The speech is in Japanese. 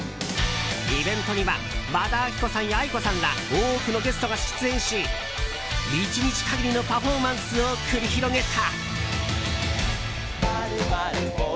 イベントには和田アキ子さんやａｉｋｏさんら多くのゲストが出演し１日限りのパフォーマンスを繰り広げた。